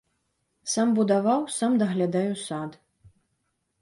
Сам будаваў, сам даглядаю сад.